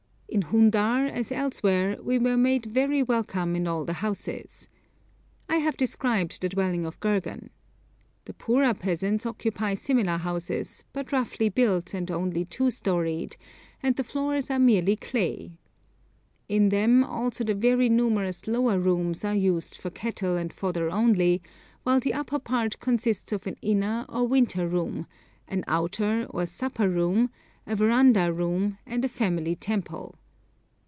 In Hundar, as elsewhere, we were made very welcome in all the houses. I have described the dwelling of Gergan. The poorer peasants occupy similar houses, but roughly built, and only two storeyed, and the floors are merely clay. In them also the very numerous lower rooms are used for cattle and fodder only, while the upper part consists of an inner or winter room, an outer or supper room, a verandah room, and a family temple.